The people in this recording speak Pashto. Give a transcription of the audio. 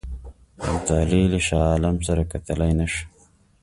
ابدالي له شاه عالم سره کتلای نه شو.